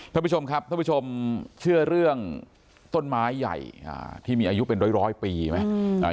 ท่านผู้ชมครับท่านผู้ชมเชื่อเรื่องต้นไม้ใหญ่ที่มีอายุเป็นร้อยปีไหม